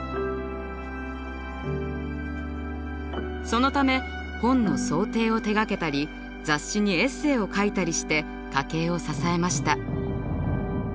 そのため本の装丁を手がけたり雑誌にエッセーを書いたりして家計を支えました。